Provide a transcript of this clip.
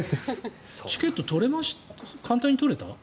チケット簡単に取れた？